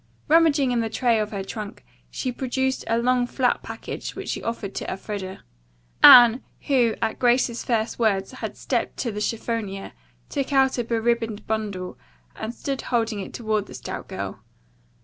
Rummaging in the tray of her trunk she produced a long, flat package which she offered to Elfreda. Anne, who, at Grace's first words, had stepped to the chiffonier, took out a beribboned bundle, and stood holding it toward the stout girl.